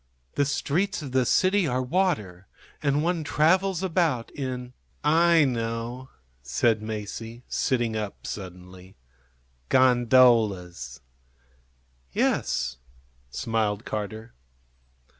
The streets of the city are water, and one travels about in " "I know," said Masie, sitting up suddenly. "Gondolas." "Yes," smiled Carter.